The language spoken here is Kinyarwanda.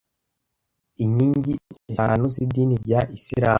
Inkingi eshanu z’idini rya Isilamu